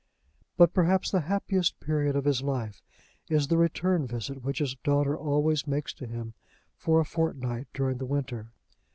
But perhaps the happiest period of his life is the return visit which his daughter always makes to him for a fortnight during the winter.